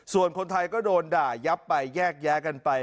ส่วนคนไทยก็โดนด่ายับไปแยกแยะกันไป